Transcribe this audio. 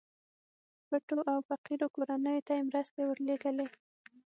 پټو او فقيرو کورنيو ته يې مرستې ورلېږلې.